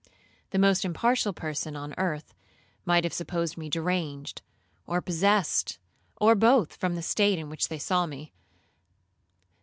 The most impartial person on earth might have supposed me deranged, or possessed, or both, from the state in which they saw me.